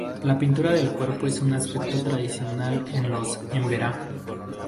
La pintura del cuerpo es un aspecto tradicional en los Emberá.